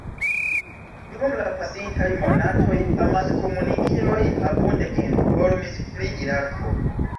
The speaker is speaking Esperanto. Dum la pasintaj monatoj amas-komunikiloj abunde informis pri Irako.